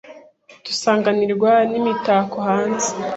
dusanganirwa n’imitako hanze